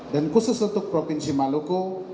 dan khusus untuk provinsi maluku